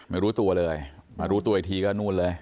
ไม่รู้ตัวเลยมารู้ตัวอีกทีก็นู่นเลย